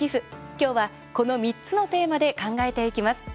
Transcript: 今日は、この３つのテーマで考えていきます。